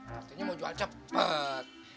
artinya mau jual cepet